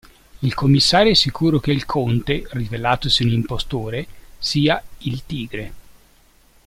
Il commissario è sicuro che il conte, rivelatosi un impostore, sia "il Tigre".